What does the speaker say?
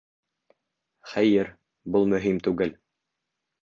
Хәйер, был мөһим түгел.